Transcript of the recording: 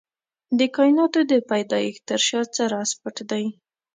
د کائناتو د پيدايښت تر شا څه راز پټ دی؟